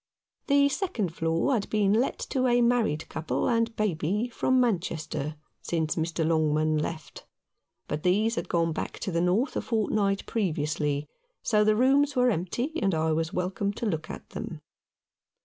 The second floor had been let to a married couple and baby from Manchester since Mr. Longman left ; but these had gone back to the North a fortnight previously, so the rooms were empty, and I was welcome to look at them.